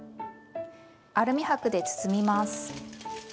アルミ箔で包みます。